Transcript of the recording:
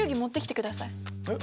えっ？